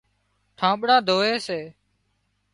ٺانٻڙان ڌووي سي